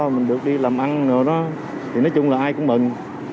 mình được đi làm ăn rồi đó thì nói chung là ai cũng mừng